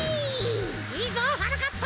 いいぞはなかっぱ！